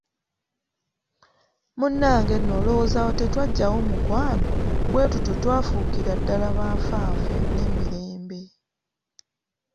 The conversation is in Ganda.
Munnange nno olowooza awo tetwaggyawo mukwano, bwe tutyo twafuukira ddala banfanfe ne Mirembe.